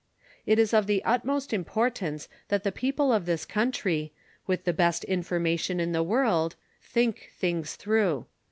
It is of the utmost importance that the people of this country, with the best information in the world, think things through.